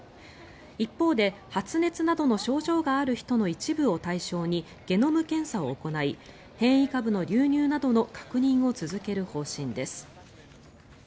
一方で発熱などの症状がある人の一部を対象にゲノム検査を行い変異株の流入などの確認を続ける方針です。